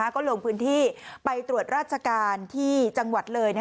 ก็ลงพื้นที่ไปตรวจราชการที่จังหวัดเลย